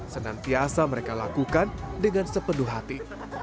senantiasa mereka lakukan dengan sepenuh hati